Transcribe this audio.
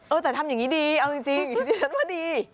เออแต่ทำอย่างนี้ดีเอาจริงฉันว่าดี